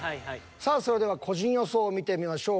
さあそれでは個人予想を見てみましょう。